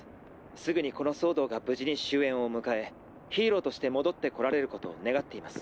すぐにこの騒動が無事に終焉を迎えヒーローとして戻ってこられることを願っています。